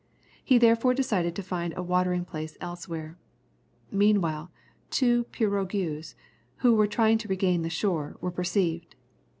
He therefore decided to find a watering place elsewhere. Meanwhile, two pirogues, which were trying to regain the shore, were perceived.